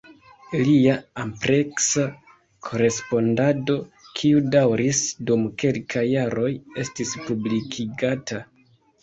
Ilia ampleksa korespondado, kiu daŭris dum kelkaj jaroj, estis publikigata.